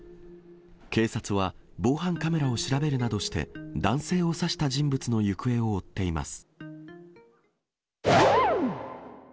警察は防犯カメラを調べるなどして男性を刺した人物の行方を追っています。